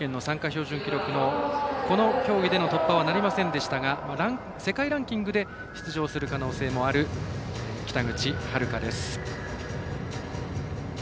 標準記録のこの競技での突破はなりませんでしたが世界ランキングで出場する可能性もある北口榛花です。